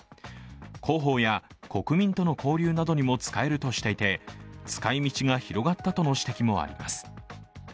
広報や国民との交流などにも使えるとしていて、使い道が広がったとの指摘もあります。